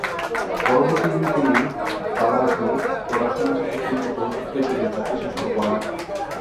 পরবর্তীতে তিনি বালাজি প্রোডাকশনের সাথে তিনটি চলচ্চিত্রের জন্য চুক্তি স্বাক্ষর করেন।